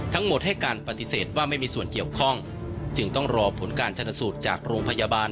ทั้งหมดให้การปฏิเสธว่าไม่มีส่วนเกี่ยวข้องจึงต้องรอผลการชนสูตรจากโรงพยาบาล